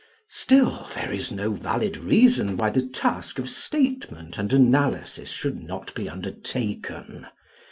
Still, there is no valid reason why the task of statement and analysis should not be undertaken.